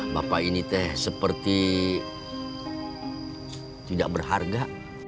bapak ini teh seperti tidak berharga